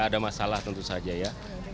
ada masalah tentu saja ya